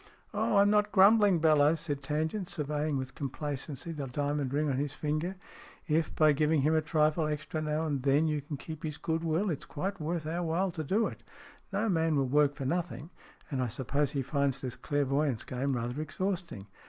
" Oh, I'm not grumbling, Bellowes," said Tangent, surveying with complacency the diamond ring on his ringer. " If, by giving him a trifle extra now and then, you can keep his goodwill, it's quite worth our while to do it. No man will work for nothing, and I suppose he finds this clairvoyance game rather exhausting.